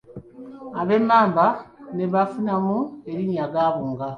Ab'emmamba ne bafunamu erinnya Gabunga.